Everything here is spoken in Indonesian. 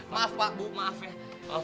maaf pak bu maaf ya